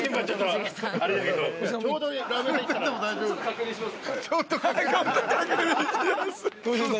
「確認します」！